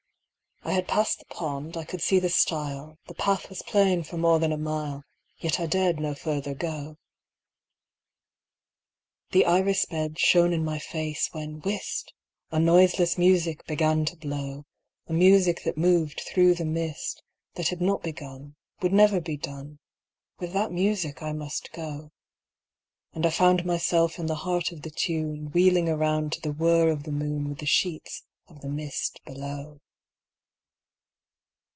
I had passed the pond, I could see the stile, The path was plain for more than a mile, Yet I dared no further go. The iris beds shone in my face, when, whist!A noiseless music began to blow,A music that moved through the mist, That had not begun, Would never be done,—With that music I must go:And I found myself in the heart of the tune, Wheeling around to the whirr of the moon, With the sheets of the mist below.